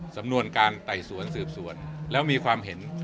สำนวนการไต่สวนสืบสวนแล้วมีความเห็น